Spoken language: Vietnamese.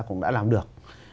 cũng đã làm được